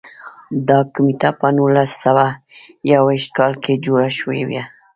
دا کمېټه په نولس سوه یو ویشت کال کې جوړه شوې وه.